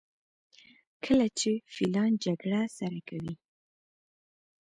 کله چې فیلان جګړه سره کوي.